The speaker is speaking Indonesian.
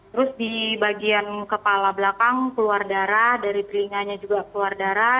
terus di bagian kepala belakang keluar darah dari telinganya juga keluar darah